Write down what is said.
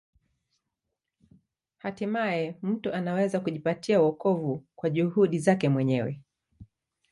Hatimaye mtu anaweza kujipatia wokovu kwa juhudi zake mwenyewe.